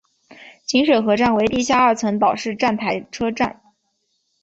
锦水河站为地下二层岛式站台车站。